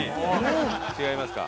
違いますか？